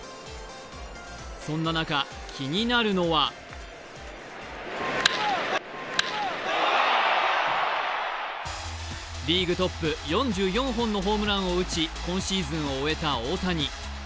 そんな中、気になるのはリーグトップ４４本のホームランを打ち今シーズンを終えた大谷。